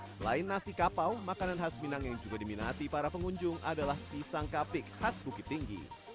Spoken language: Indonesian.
selain nasi kapau makanan khas minang yang juga diminati para pengunjung adalah pisang kapik khas bukit tinggi